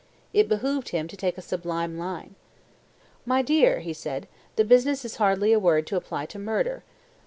It behoved him to take a sublime line. "My dear," he said, "business is hardly a word to apply to murder.